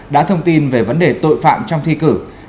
đã thông tin về vấn đề tội phạm trong trường hợp